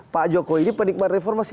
pak jokowi ini penikmat reformasi